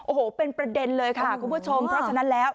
โอ้โหเป็นประเด็นเลยค่ะคุณผู้ชมเพราะฉะนั้นแล้ว